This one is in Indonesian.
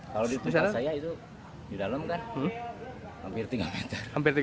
kalau di pusat saya itu di dalam kan hampir tiga meter